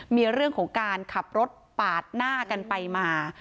มีเรื่องของการขับรถปาดหน้ากันไปมา